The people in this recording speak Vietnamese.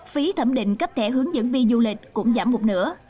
phí thẩm định cấp thẻ hướng dẫn viên du lịch cũng giảm một nửa